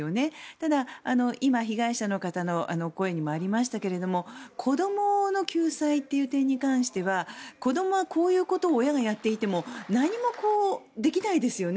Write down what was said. ただ、今、被害者の方の声にもありましたけれども子どもの救済という点に関しては子どもはこういうことを親がやっていても何もできないですよね。